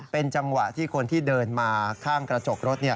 เป็นจังหวะที่คนที่เดินมาข้างกระจกรถ